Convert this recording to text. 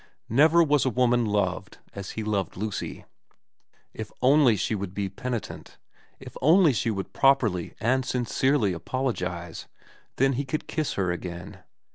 Never was a woman loved as he loved Lucy. If only she 238 VERA XXI would be penitent, if only she would properly and sincerely apologise, then he could kiss her again.